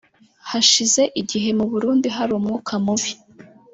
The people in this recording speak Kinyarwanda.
Hashize igihe mu Burundi hari umwuka mubi